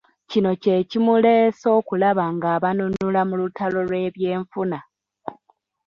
Kino kye kimuleese okulaba ng'a banunula mu lutalo lw'ebyenfuna.